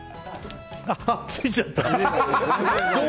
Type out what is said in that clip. あっ、ついちゃった。